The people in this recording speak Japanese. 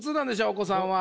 お子さんは。